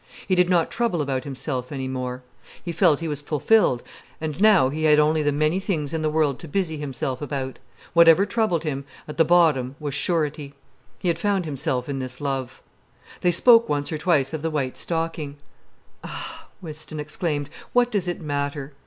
He did not trouble about himself any more: he felt he was fulfilled and now he had only the many things in the world to busy himself about. Whatever troubled him, at the bottom was surety. He had found himself in this love. They spoke once or twice of the white stocking. "Ah!" Whiston exclaimed. "What does it matter?"